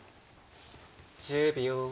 １０秒。